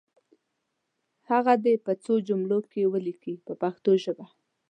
هغه دې په څو جملو کې ولیکي په پښتو ژبه.